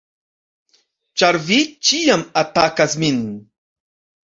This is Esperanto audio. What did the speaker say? Ĉar vi ĉiam atakas min!